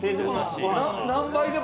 何杯でも？